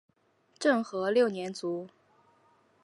政和六年卒。